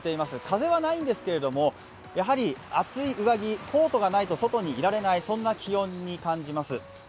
風はないんですけど、厚い上着コートがないと外にいられないそんな気温に感じます。